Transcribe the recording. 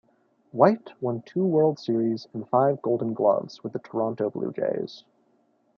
White won two World Series and five Gold Gloves with the Toronto Blue Jays.